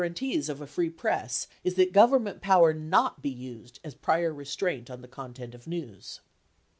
1192 tees of a free press is that Government power not be used as prior restraint on the content of news.